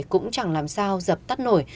cũng chẳng làm sao dập tắt nổi